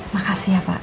makasih ya pak